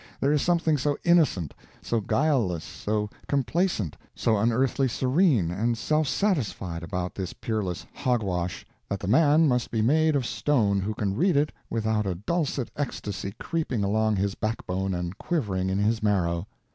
There is something so innocent, so guileless, so complacent, so unearthly serene and self satisfied about this peerless "hog wash," that the man must be made of stone who can read it without a dulcet ecstasy creeping along his backbone and quivering in his marrow.